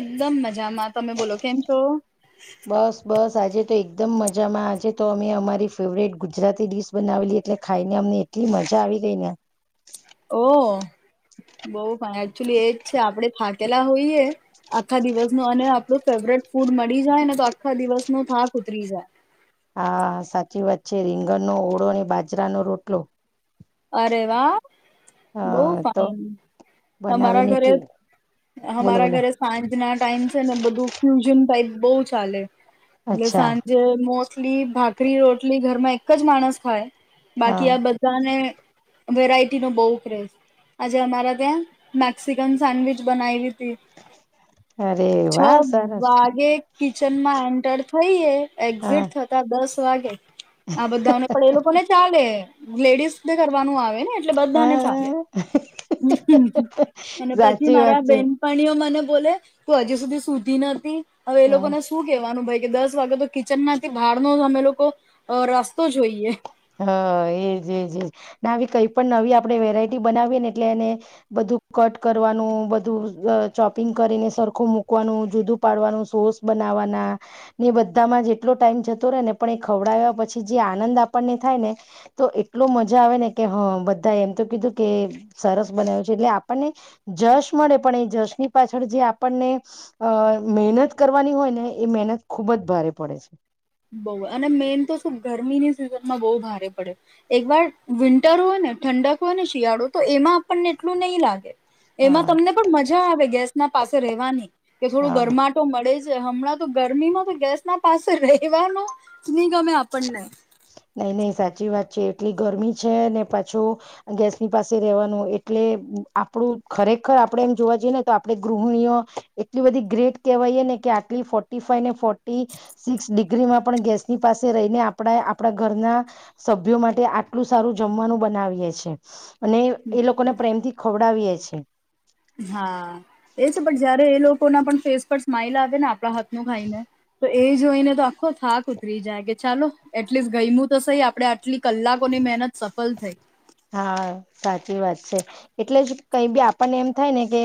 એકદમ મજામાં તમે બોલો કેમ છો? તે એકદમ મજામાં આજે તો અમે અમારી ફેવરેટ ગુજરાતી ડિશ બનાવેલી એટલે ખાઈને અમને એટલી મજા આવી ગઈ ને. ઓ. બો પણ એકચુલી એજ છે આપડે થાકેલા હોઈએ આખા દિવસ નો અને આપડુ ફેવરેટ ફૂડ મળી જાય ને તો આખા દિવસ નો થાક ઉતરી જાય. હા! સાચી વાત છે, રીંગણનો ઓળો અને બાજરાનો રોટલો. અરે વાહ! અ બો તો ફાઇન અમારા બનાવીને ઘરે એટલી બોલો હમારા બોલો ઘરે સાંજ ના ટાઈમ છે ને બધુ ફ્યુઝન ટાઈપ બો ચાલે. એટલે અચ્છા સાંજે મોસ ટલી ભાકરી રોટલી ઘરમાં એક જ માણસ ખાય. હા બાકી આ બધાને વેરાયટી નો બોવ ક્રેઝ આજે અમારા ત્યાં મેક્સિકન સેન્ડવીચ બનાયવી. અરે છ વાહ સરસ વાગે. કિચનમાં એન્ટર થઈએ. હા એક્ઝિટ થતા દસ વાગે. આ બધાઓને પણ એ લોકો ને ચાલે. લેડીઝ કરવાનું આવે ને? એ બધાને ચાલે હા અને પછી સાચી મારા વાત છે બેનપણીઓ મને બોલે તું હજી સુધી સૂતી નતી? હવે એ હા લોકોને શું કેવાનું ભાઈ! કે દસ વાગે તો કિચનમાંથી બહારનો અમે લોકો રસ્તો જોઈએ. હ એજ એજ એ ને આવી કઈ પણ નવી આપણે વેરાયટી બનાવીએ ને એટલે એને બધું કટ કરવાનું, બધું ચોપિંગ કરીને સરખું મૂકવાનું, જુદું પાડવાનું, સોસ બનાવવાના ને બધામાં જેટલો ટાઈમ જતો રહેે ને પણ એ ખવડાવ્યા પછી જે આનંદ આપ આપણને થાય ને તો એટલો મજા આવે ને કે હા બધા એમ તો કીધું કે સરસ બનાવ્યું છે, એટલે આપણને જશ મળે પણ એ જશની પાછળ જે આપણને અ મહેનત કરવાની હોય ને એ મહેનત ખુબ જ ભારે પડે છે. બો અને મેન તો શું ગરમીની સિઝનમાં બહુ ભારે પડે, એકવાર વિન્ટર હોય ને ઠંડક હોય ને શિયાળો તો એમાં આપણને એટલું નહીં લાગે. હા એમાં તમને પણ મજા આવે ગેસ ના પાસે રહેેવાની કે થોડું હા ગરમાટો મળે જ હમણાં તો ગરમી માં બી તો ગેસ ના પાસે રહી રેવાનું ની ગમે આપણને. નઈ નહી સાચી વાત છે, એટલી ગરમી છે ને પાછું ગેસની પાસે રેવાનું એટલે આપડું ખરેખર આપડે એમ જોવા જઈએ ને તો આપડે ગૃહિણીઓ એટલી બધી ગ્રેટ કહેવાયએ ને કે, આટલી ફોર્ટી ફાઈને ફોર્ટી સિક્સ ડિગ્રીમાં પણ ગેસની પાસે રહીને આપણે આપડા ઘરના સભ્યો માટે આટલું સારું જમવાનું બનાવીએે છે. અને એ એ લોકોને પ્રેમથી ખવડાવીએ છે. હા! એ છે પણ જયારે એ લોકો ના પણ ફેસ પર સ્માઈલ આવે ને આપણા હા નું ખાઈને. તો એ જોઈને તો આખો થાક ઉતરી જાય કે ચાલો એટલીસ્ટ ગયમું તો સઈ આપડે આટલી કલાકોની મહેનત સફલ થઈ. હા! સાચી વાત છે એટલે જ કઈ બી આપણને એમ થાય ને કે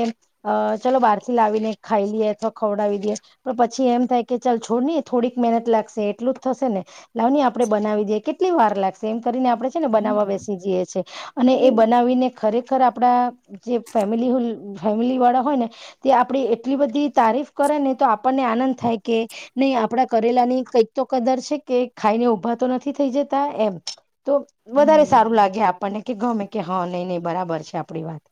ચાલો બહાર થી લાવીને ખાઈ લીએ અથવા ખવડાવી દીએ પણ પછી એમ થાય કે ચાલ છોડની થોડીક મહેનત લાગશે એટલું જ થશેને લાવની આપડે બનાવી દીએ કેટલી વાર લાગશે? કરીને આપણે છે ને બનાવવા બેસી જીએ. અને એ બનાવીને ખરેખર આપડા જે ફેમલી ફેમિલી વાળા હોય ને તે આપણે એટલી બધી તારીફ કરે ને તો આપણને આનંદ થાય કે, નહી આપડા કરેલા ની કઈક તો કદર છે કે ખાઈને ઉભા તો નથી થઈ જતા એમ તો વધારે હમ સારું લાગે. આપણને કે ગમે કે હા નહીં નહી બરાબર છે. આપણી વાત.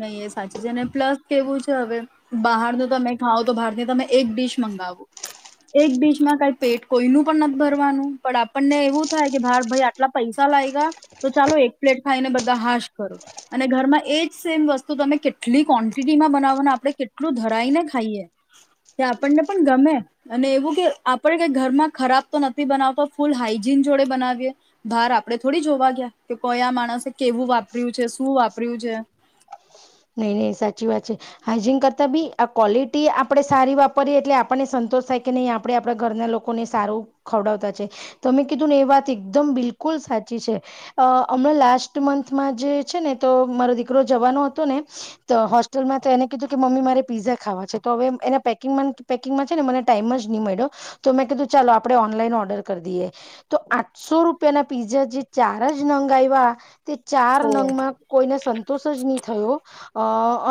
નહી એ સાચી છે. અને પ્લસ કેવું છે હવે બહારનું તમે ખાવ તો બહાર ની તમે એક ડીશ મંગાવો એક ડીશમાં કઈ પેટ કોઈનું પણ નથી ભરવાનું, પણ આપણને એવું થાય કે બાર ભાઈ આટલા પૈસા લાગ ગયા તો ચાલો એક પ્લેટ ખાઈને બધા હાશ કરો અને ઘરમાં એ જ સેમ વસ્તુ તમે કેટલી ક્વોન્ટિટીમાં બનાવોને આપણે કેટલું ધરાઈને ખાઈએ તે આપણને પણ ગમે અને એવું કે આપણે કઈ ઘરમાં ખરાબ તો નથી બનાવતો ફૂલ હાઈજીન જોડે બનાવીએ બહાર આપણે થોડી જોવા ગયા કે કયા માણસે કેવું વાપર્યું છે શું, વાપર્યું છે. નહી નહી સાચી વાત છે હાઈજીન કરતાં બી આ ક્વોલિટી આપણે સારી વાપરીએ એટલે આપણને સંતોષ થાય કે નહીં, આપણે આપણા ઘરના લોકોને સારું ખવડાવતા છે. તો મેમે કીધું ને એ વાત એકદમ બિલકુલ સાચી છે. અ હમણાં લાસ્ટ મંથમાં જે છે ને તો મારો દીકરો જવાનો હતો ને તો હોસ્ટેલમાં તો એને કીધું કે મમ્મી મારે પીઝા ખાવા છે. તો હવે એના પેંગ પેકિંગમાં છે, ને મને ટાઈમ જ નહી મળ્યો. તો મેં કીધું ચાલો આપણે ઓનલાઈન ઓર્ડર કરી દઈએ. તો આઠસો રૂપિયા ના પીઝા જે ચાર જ નંગ આવ્યા તે ચાર તો નંગ માં કોઈને સંતોષ તો સંતોષ નહી થયો. અ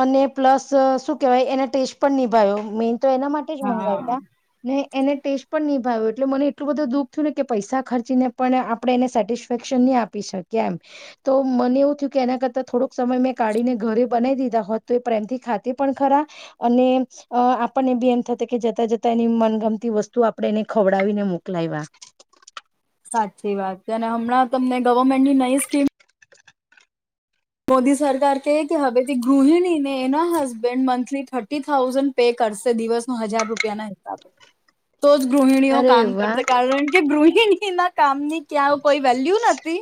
અને પ્લસ શું કેહેવાય એના ટેસ્ટ પણ નિભાયો મે તો એના માટે જ હા મંગાવયા ને એને ટેસ્ટ પણ નિભાવ્યો એટલે મને એટલું બધું દુઃખ થયું ને કે પૈસા ખર્ચીને પણ આપણે એને સેટિસફેક્શન નહીં આપી શકીએ એમ તો મને એવું થયું કે એના કરતાં થોડોક સમય મેં કાઢીને ઘરે બનાવી દીધા હોત તો એ પ્રેમથી ખાતે પણ ખરા અને આપણને બી એમ થ કે જતા જતા એની મનગમતી વસ્તુ આપણે એને ખવડાવીને મોકલાવ્યા. સાચી વાત છે. અને હમણાં તમને ગવર્મેન્ટની નઈ સ્કીમ મોદી સરકાર કહે કે હવેથી ગૃહિણીને એના husband monthly thirty thousand pay કરશે દિવસનો હજાર રૂપિયાના હિસાબ. તો જ ગૃહિણીઓ અરે કામ વાહ કરશે. કારણ કે ગૃહિણી એના કામ ની ક્યા કોઈ વેલ્યુ નથી,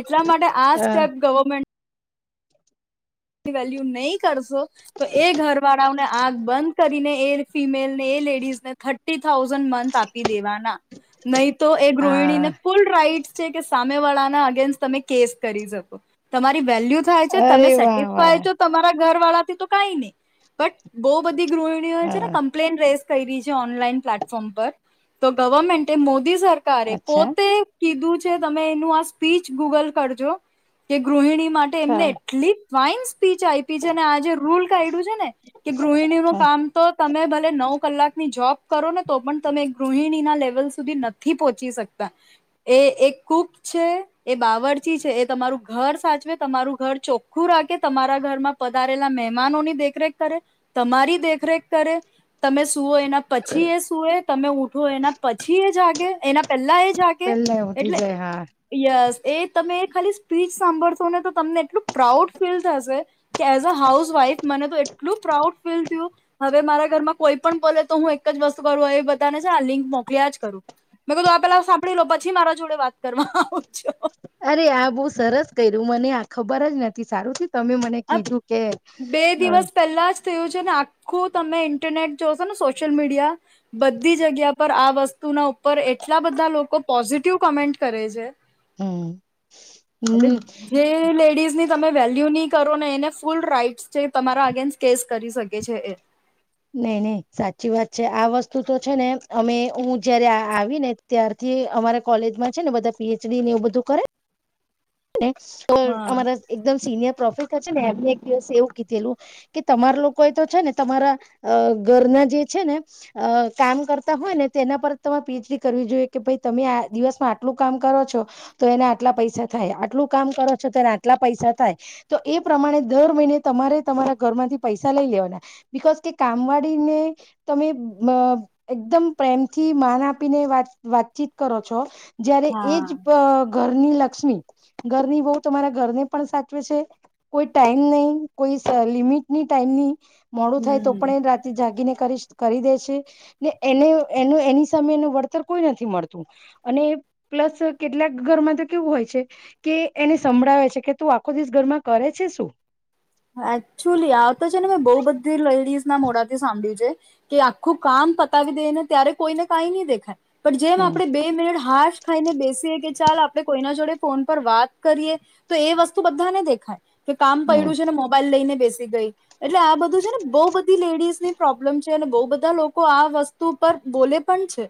એટલા માટે આ સ્ટેપ ગવર્મેન્ટ વેલ્યુ નઈ કરશ. શો તો એ ઘર વાળાઓને આખ બંધ કરીને એ ફીમેલને એ લેડીઝને થર્ટી થાઉઝન્ડ મંથ આપી દેવાનાં. નહી તો એ ગૃહિણીને હા ફુલ રાઈટ છે કે સામે વાળા ના અગેસ્ટ તમે કેસ કરી શકો. તમારી વેલ્યુ થાય છે તમે અરે સે [unintelligible] વાહ વાહ તમારા ઘરવાળથી તો કાઈની બટ બહુ બધી ગૃહિણીઓ છે ને હા કમ્પ્લેન રે કયરી છે ઓનલાઈન પ્લેટફોર્મ પર તો ગવર્મેન્ટે મો ટી સરકારે અચ્છા પોતે કીધું કે તમે એનું આ સ્પીચ ગુગલ કરજો કે ગૃહિણી માટે એમને હા એટલી વાઇમ્સ સ્પીચ આયપી છે ને આજે રૂલ કાઢ્યું છે ને કે ગૃહિણીનું હ કામ તો તમે ભલે નવ કલાકની જોબ કરો ને તો પણ તમે ગૃહિણીના લેવલ સુધી નથી પહોંચી શકતા. એ એક કુક છે, એ બાવરચી છે, એ તમારું ઘર સાચવે, તમારું ઘર ચોખ ખું રાખે તમારા ઘરમાં પધારેલા મહેમાનો ની દેખરેખ કરે તમારી દેખરેખ કરે તમે સુવો એના પછી એ સુવે તમે ઊઠો એના પછી એ જાગે. એના પેલા એ જાગે પેલા ઉઠી એટલે જાય હા યસ એ તમે ખાલી સ્પીચ સાંભળશો ને તો તમને એટલું પ્રાઉડ ફીલ થશે કે એઝ અ હાઉસ વાઈફ મને તો એટલું પ્રાઉડ ફીલ થીયું હવે મારા ઘરમાં કોઈ પણ બોલે તો હું એક જ વસ્તુ કરું એ બધાને છે આ લિંક મોકલ્યા જ કરું મેં કધું આ પેલા સાંભળી લો પછી મારા જોડે વાત કરવા આવજો. અરે આ બો સરસ કયરુ મને આ ખબર જ નથી સારું થી તમે મને આ કીધું કે બે અ દિવસ પહેલા જ થયું છે ને આખું તમે ઇન્ટરનેટ જો છો ને સોશિયલ મીડિયા બધી જગ્યા પર આ વસ્તુના ઉપર એટલા બધા લોકો પોઝિટિવ કોમેન્ટ કરે છે. હમ એટલે જે લેડીઝ ની તમે વેલ્યુ ની કરો ને એને ફૂલ રાઈટ છે તમારા અગેન્સ કેસ કરી શકે છે એ. નહી નહી સાચી વાત છે આ વસ્તુ તો છે ને અમે હું જયારે આવી ને ત્યારથી અમારા કોલેજમાં છે ને બધા પી એચ ડી ને એવું બધું કરે ને ને હા અમારા એકદમ સિનિયર પ્રોફે સર છે ને એમને એક દિવસ એવું કીધેલું કે તમારા લોકો એ તો છે ને તમારા અ ઘરના જે છે ને અ કામ કરતા હોય ને તેના પર તમારે પી એચ ડી કરવી જોઈએ કે ભાઈ તમે આ દિવસમાં આટલું કામ કરો છો તો એને આટલા પૈસા થાય આટલું કામ કરો છો તને આટલા પૈસા થાય તો એ પ્રમાણે દર મહિને તમારે તમારા ઘરમાંથી પૈસા લઈ લેવાના બિકઝ કે કામવાળીને તમે અ એકદમ પ્રેમથી માન આપીને વાત વાતચીત કરો છો. જયારે હા એજ પગ ઘરની લક્ષ્મી. ઘરની બવ તમારા ઘરને પણ સાચવે છે કોઈ ટાઈમ નહી કોઈ લિમિટ ની ટાઈમની. મોડું થાય તો હમ પણ એ રાતે જાગીને . કરીશ કરી દે છે ને એને એનું એની સામે એનું વળતર કોઈ નથી મળતું અને પ્લસ કેટલાક ઘરમાં તો કેવું હોય છે કે એને સંભળાવે છે કે તું આખો દિવસ ઘરમાં કરે છે શું? એકક્ચુલી આ વખતે છે ને મે બઉુ બધી લેડીસ ના મોડાથી સામ ભળ્યું છે કે આખું કામ પતાવી દે ને ત્યારે કોઈ ને કાઈ ની દેખાય. પણ જેમ હમ આપણે બે મિનિટ હાફ ખાઈને બેસીએ કે ચાલ આપણે કોઈના જોડે ફોન પર વાત કરીએ તો એ વસ્તુ બધાને દેખાય. કે કામ હમ પડ્યું છ. લઈ ને બેસી ગઈ એટલે આ બધું છે ને બો બધી લેડીઝની પ્રોબ્લેમ છે બો બધા લોકો આ વસ્તુ પર બોલે પણ છે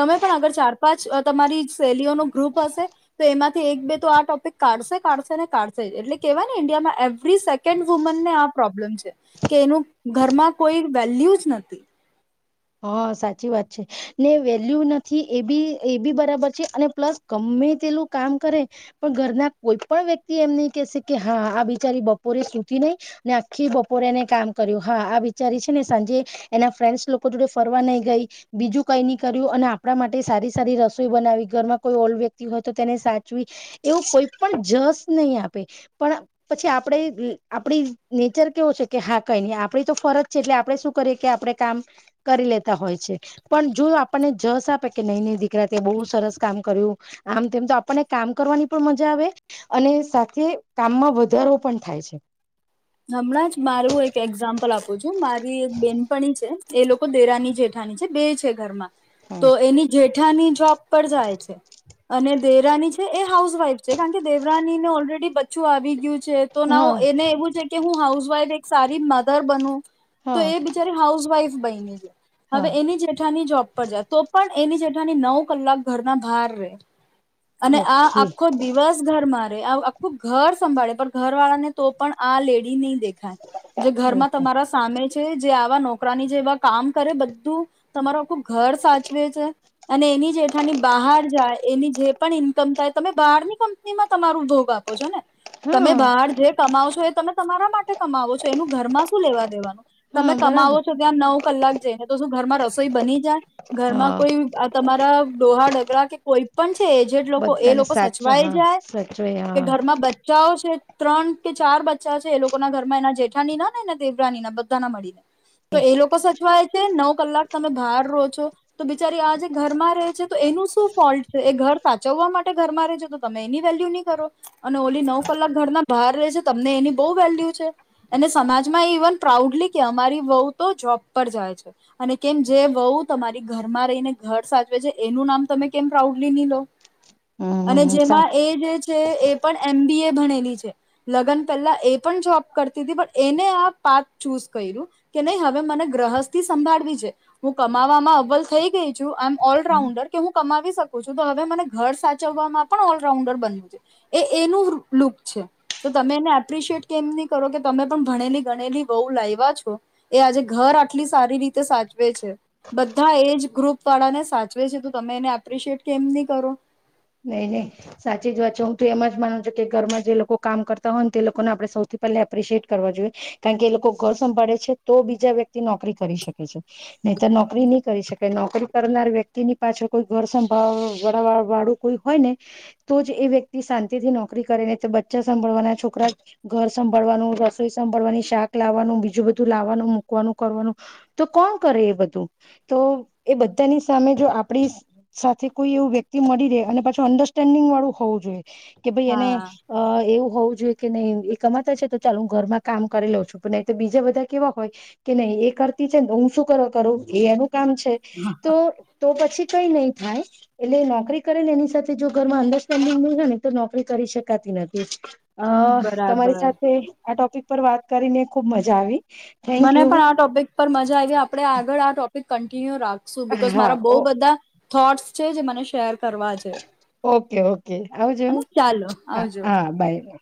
તમે પણ અગર ચાર પાંચ તમારી સેલ લીઓ નું ગ્રુપ હશે તો એમાં એક-બે તો આ ટોપિક કાઢશે કાઢશે ને કાઢશે એટલે કેહેવાય ને ઇન્ડિયામાં એવરી સેક કેન્ડ વુમનને આ પ્રોબ્લેમ છે કે એનું ઘરમાં કોઈ વેલ્યુ જ નથી. હ, સાચી વાત છે ને વેલ્યુ નથી એ બી એ બી બરાબર છે અને પ્લસ ગમે તેલું કામ કરે પણ ઘરના કોઈ પણ વ્યક્તિ એમ નહી કેશે કે હા આ બિચારી બપોરે સુતી નહી આખી બપોરે એને કામ કર્યું હા આ બિચારી છે ને સાંજે એના ફ્રેન્ડસ લોક લોકો જોડે ફરવા નહી ગઈ બીજું કઈ ની કર્યું અને આપણા માટે સારી સારી રસોઈ બનાવી ઘરમાં કોઈ ઓલ વ્યક્તિ હોય તો તેને સાચવી એવું કોઈ પણ જસ નહી આપે પણ પછી આપડે આપડી નેચર કેવો છે કે હા કઈ ની આપણી તો ફરજ છે એટલે આપણે શું કરીએ કે આપડે કામ કરી લેતા હોય છે પણ જો આપણને જસ આપે કે નહી નહી દીકરા તે બહુ સરસ કામ કર્યું આમ તેમ તો આપણને કામ કરવાની પણ મજા આવે અને સાથે કામમાં વધારો પણ થાય છે. હમણાં જ મારું એક એક્ઝામ્પલ આપું છું મારી એક બેનપણી છે એ લોકો દેરાની જેઠાની છે બે છે ઘરમાં તો એની જેઠ ઠાની જોબ પર જાય છે અને દેરાની છે એ હાઉસ વાઈફ છે કારણ કે દેવરાની ને ઓલરેડી બચ્ચું આવી ગયું તો ના હા એને એવું છે. હું હાઉસવાઈફ એક સારી મધર બન. તો હા એ બિચારે હાઉસ વાઈફ. બયની છે. હવે હા એની જેઠાની જોબ પર જાય તો પણ. એની જેઠવાની નવ કલાક ઘરના બહાર રે. અને આ ઓકે આખો દિવસ ઘર મા ર આ. ઘર સંભાળે પણ ઘર વાળા ને તો પણ આ લેડી. હી. જે ઘરમાં ઓહો તમારા સામે. જે આવા નોકરા ની જેવા કામ કરે બધું તમારો ખબ. ઘર સાચવે છે. અને એની જેઠાની બહાર જાય એની જે પણ ઈન્કમ થાય તમે બહારની કંપનીમાં તમારું ભોગ આપો છો ને. તમે હા બહાર જે કમાવ છો એ તમે. તમારા માટે કમાવો છો એનું ઘરમાં શું લેવા દેવાનું. હા તમે કમાવો બરાબર છો ત્યાં નવ કલાક જઈને તો શું ઘરમાં રસોઈ બની જા ઘરમાં હા કોઈ આ તમારા ડોહા ડ કે કોઈ પણ છે જે લોકો એ બધાને લોકો સાચ સચવાય હા જાય સાચવે કે હા ઘરમાં બચ્ચાઓ છે. ત્રણ કે ચાર બ ચા છે એ લોકોના ઘરમાંના જેઠાણી ના ને એના દેવરાની ના બધા ના મળી તો એ લોકો સચવાય. કે નવ કલાક તમે બહાર રહો છો તો બિચારી આ જે ઘરમાં રહે છે તો એનું શું ફોલ્ટ એ ઘર સાચવવા માટે ઘરમાં રહે છે તો તમે એની વેલ્યુ ની કરો અને ઓલી નવ કલાક ઘરના બહાર રહે છે તમને એની બહુ વેલ્યુ છે અને સમાજમાં ઇવન પ્રાઉડલી કે અમારી વહુ તો જોબ પર જાય છે અને કેમ જે વહુ તમારી ઘરમાં રહીને ઘર સાચવે છે એનું નામ તમે કેમ પ્રાઉડલી ની લો. અને હમ સાચ જેમાં એ જે છે એ પણ એમ બી એ ભણેલી. છે લગન પેલા. એ પણ જોબ કરતી તી પણ એને આ પાત ચૂઝ કર્યું કે નહી હવે મને ગ્રહસ્થથી સંભાળવી છે હું કમાવામાં અવલ થઈ ગઈ છું અમ હમ ઓલરાઉન્ડર કે હું કમાવીશ. તકું તો છો હવે મને ઘર સાચવવામાં પણ ઓલરાઉન્ડર બન્યું છે એ એનું લુક છે તો તમે એમા પ્રિશિએટ કેમ ની કરો કે તમે પણ ભણેલી ગણેલી વહુ લાવવા છો એ આજે ઘર આટલી સારી રીતે સાચવે છે બધા એજ ગ્રુપ વાળાને સાચવે છે તો તમે એને એપ્રિશિયટ કેમ ની કરો. નહી નહી સાચી જ વાત છે હું તો એમ જ માનું છું કે ઘરમાં જે લોકો કામ કરતા હોય ને તે લોકોને આપડે સૌથી પહેલા એપ્રિશિએટ કરવા જોઈએ કારણ કે એ લોકો ઘર સંભાળે છે તો બીજા વ્યક્તિ નોકરી કરી શકે છે નહી તો નોકરી નહી કરી શકે નોકરી કરનાર વ્યક્તિની પાછળ કોઈ ઘર સંભાળ વાળું કોઈ હોય ને તો જ એ વ્યક્તિ શાંતિ થી નોકરી કરે ને તો બચ્ચા સંંભળવાના છોકરા ઘર સંભળવાનું રસોઈ સંભળવાની શાક લાવવાનું બીજું બધું લાવવાનું મૂકવાનું કરવાનું તો કોણ કરે એ બધું તો એ બધાની સામે જો આપડી સાથે કોઈ એવું વ્યક્તિ મળી રે. અને પછું અંડરસ્ટેન્ડિંગ વાળું હોવું જોઈએ. કે ભાઈ એને હા અ એવું હોઉ જોય કે નહી એ કમાતા છે તો ચાલ હું ઘરમાં કામ કરી લઉં છું પણ તો બીજા બધા કેવા હોય કે નહી એ કરતી છે ને હું શું કર કરું એનું કામ છે તો તો પછી કઈ નઈ થાય એટલે નોકરી કરે ને એની સાથે જો ઘરમાં અંડરસ્ટેન્ડિંગ ન હોય ને તો નોકરી કરી શકાતી નથી. અ બરાબર તમારી સાથે આ ટોપિક તર વાત કરીને ખુબ મજા આવી. થેન્ક મને યુ પણ આ ટોપિક પર મજા આવી આપડે આગળ આ ટોપ કન્ટિન્યુ રા સો બીકોસ હા મારાં બોવ બધા થોટ્સ છે જે મને શેર કરવા છે ઓકે ઓકે આવજો હેને ચાલો આવજો. હા બાય.